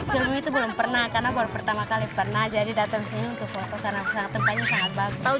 silmi itu belum pernah karena baru pertama kali pernah jadi datang sini untuk foto karena tempatnya sangat bantal